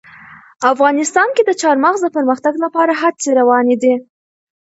افغانستان کې د چار مغز د پرمختګ لپاره هڅې روانې دي.